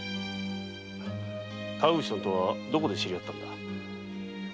川口さんとはどこで知り合ったんだ？